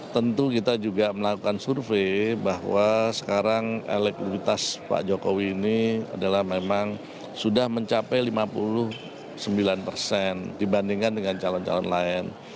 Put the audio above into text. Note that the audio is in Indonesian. tentu kita juga melakukan survei bahwa sekarang elektrikitas pak jokowi ini adalah memang sudah mencapai lima puluh sembilan persen dibandingkan dengan calon calon lain